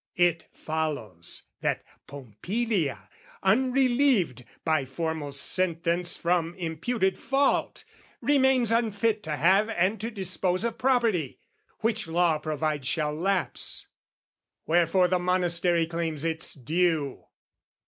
It follows that Pompilia, unrelieved By formal sentence from imputed fault, Remains unfit to have and to dispose Of property, which law provides shall lapse: Wherefore the Monastery claims its due.